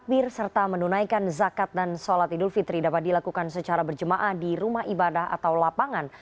nabir serta menunaikan zakat dan sholat idul fitri dapat dilakukan secara berjemaah di rumah ibadah atau lapangan